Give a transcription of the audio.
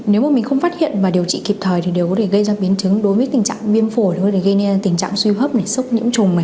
nếu mà mình không phát hiện và điều trị kịp thời thì đều có thể gây ra biến chứng đối với tình trạng viêm phổi có thể gây nên tình trạng suy hấp sốc nhiễm trùng